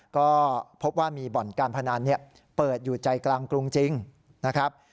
ก็พบว่ามีบ่อนการพนันเปิดอยู่ใจกลางกรุงจริงนะครับ